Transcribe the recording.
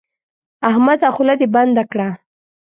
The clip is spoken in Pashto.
احمده خوله دې بنده کړه.